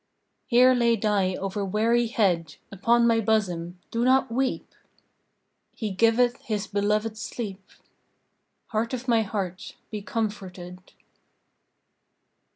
Here lay thy over weary head Upon my bosom! Do not weep! "He giveth His beloved sleep." Heart of my heart, be comforted.